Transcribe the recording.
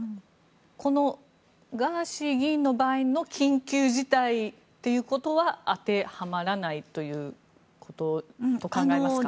このガーシー議員の場合の緊急事態ということは当てはまらないということと考えますか？